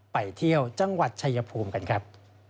ไปเที่ยวจังหวัดชายภูมิกันครับ